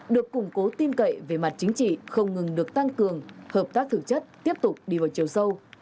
được củng cố tin cậy về mặt chính trị không ngừng được tăng cường hợp tác thực chất tiếp tục đi vào chiều sâu